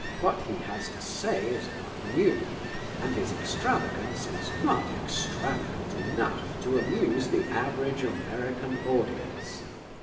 What he has to say is not new, and his extravagance is not extravagant enough to amuse the average American audience.